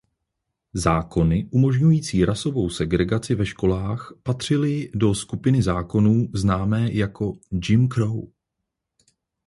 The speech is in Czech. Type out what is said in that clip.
Zákony umožňující rasovou segregaci ve školách patřily do skupiny zákonů známé jako Jim Crow.